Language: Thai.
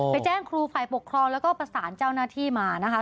แจ้งครูฝ่ายปกครองแล้วก็ประสานเจ้าหน้าที่มานะคะ